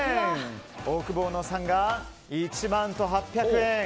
オオクボーノさんが１万と８００円。